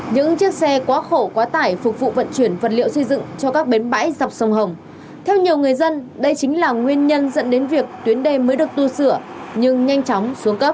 những chiếc xe quá khổ quá tải phục vụ vận chuyển vật liệu xây dựng cho các bến bãi dọc sông hồng